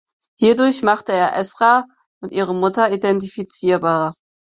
Hierdurch machte er Esra und ihre Mutter identifizierbar.